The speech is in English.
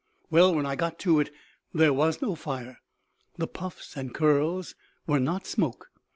"Well, when I got to it there was no fire; the puffs and curls were not smoke.